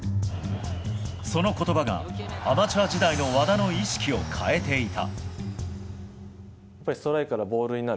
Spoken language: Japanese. その言葉が、アマチュア時代の和田の意識を変えていた。